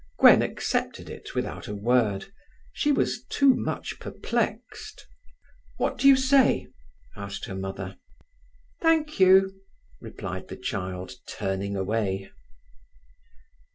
Gwen accepted it without a word. She was too much perplexed. "What do you say?" asked her mother. "Thank you," replied the child, turning away.